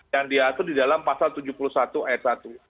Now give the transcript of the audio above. yang diatur di dalam pasal tujuh puluh satu ayat satu